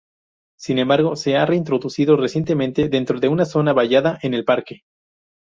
Sin embargo, se ha reintroducido recientemente dentro de una zona vallada en el parque.